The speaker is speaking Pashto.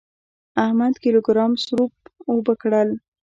احمد کيلو ګرام سروپ اوبه کړل.